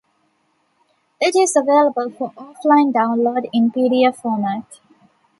It is available for off-line download in pdf format.